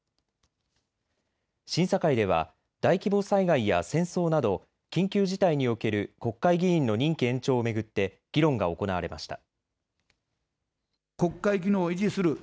審査会では大規模災害や戦争など緊急事態における国会議員の任期延長を巡って議論が行われました。